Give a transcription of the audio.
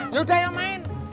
yaudah yuk main